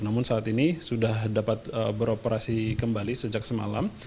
namun saat ini sudah dapat beroperasi kembali sejak semalam